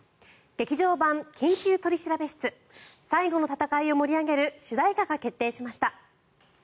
劇場版「緊急取調室」最後の戦いを盛り上げる主題歌が決定しました。